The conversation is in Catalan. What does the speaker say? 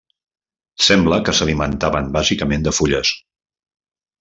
Sembla que s'alimentaven bàsicament de fulles.